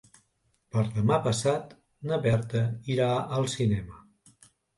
Demà passat na Berta irà al cinema.